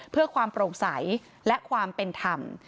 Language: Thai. เพื่อความโปร่งใสและความเป็นธรรม